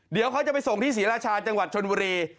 เดี๋ยวเขาจะไปส่งที่ศรีราชาจังหวัดชนบุรี